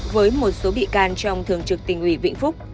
với một số bị can trong thường trực tỉnh ủy vĩnh phúc